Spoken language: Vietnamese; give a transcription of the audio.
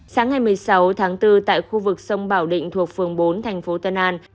sáng ngày một mươi sáu tháng bốn tại khu vực sông bảo định thuộc phường bốn thành phố tân an